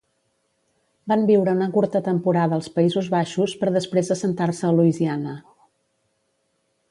Van viure una curta temporada als Països Baixos per després assentar-se a Louisiana.